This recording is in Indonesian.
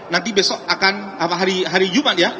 nanti besok akan hari jumat ya